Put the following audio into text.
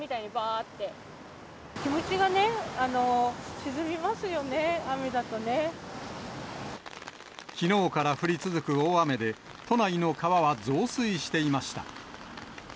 気持ちがね、きのうから降り続く大雨で、都内の川は増水していました。